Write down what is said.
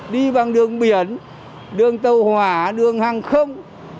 đi bằng đường biển đường tàu hỏa đường hàng không